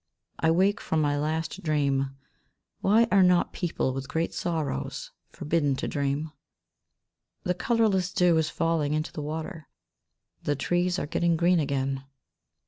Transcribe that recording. I wake from my last dream. Why are not people with great sorrows forbidden to dream ? The colourless dew is falling into the water. The trees are getting green again.